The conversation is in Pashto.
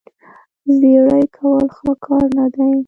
زیړې کول ښه کار نه دی.